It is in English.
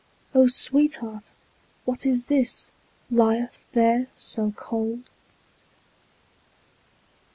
O sweetheart! what is this Lieth there so cold?